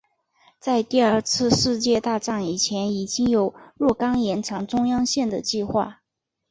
在第二次世界大战以前已经有若干延长中央线的计划。